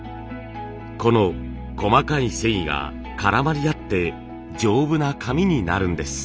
この細かい繊維が絡まり合って丈夫な紙になるんです。